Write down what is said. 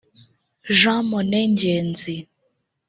Jean Monnet Ngenzi